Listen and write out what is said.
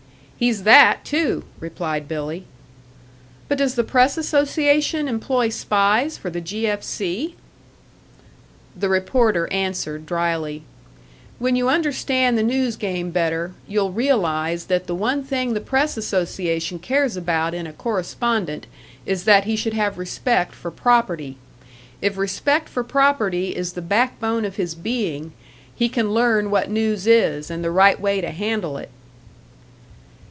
"He's that, too," replied Billy. "But does the press association employ spies for the 'G. F. C.'?" The reporter answered, drily, "When you understand the news game better, you'll realise that the one thing the press association cares about in a correspondent is that he should have respect for property. If respect for property is the back bone of his being, he can learn what news is, and the right way to handle it."